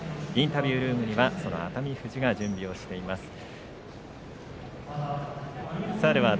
インタビュールームに熱海富士が準備をしています。